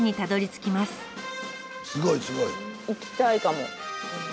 行きたいかも。